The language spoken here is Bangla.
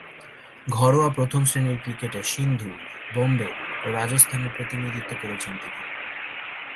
ঘরোয়া প্রথম-শ্রেণীর ক্রিকেটে সিন্ধু, বোম্বে ও রাজস্থানের প্রতিনিধিত্ব করেছেন তিনি।